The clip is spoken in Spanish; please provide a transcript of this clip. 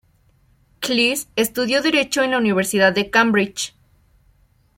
Cleese estudió derecho en la Universidad de Cambridge.